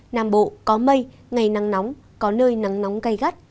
nam bộ có mây ngày nắng nóng có nơi nắng nóng gai gắt